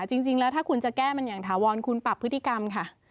จริงแล้วถ้าคุณจะแก้มันอย่างถาวรคุณปรับพฤติกรรมค่ะ